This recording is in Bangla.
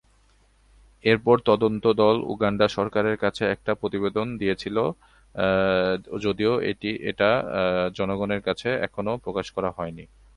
এরপর তদন্ত দল উগান্ডা সরকারের কাছে একটি তদন্ত প্রতিবেদন দিয়েছিল যদিও এটা জনগণের কাছে এখনো প্রকাশ করা হয়নি।